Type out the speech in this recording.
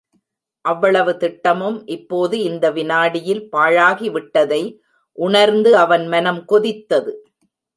அவ்வளவு திட்டமும் இப்போது இந்த விநாடியில் பாழாகிவிட்டதை உணர்ந்து அவன் மனம் கொதித்தது.